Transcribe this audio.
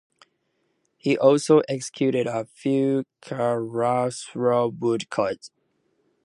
He also executed a few chiaroscuro woodcuts.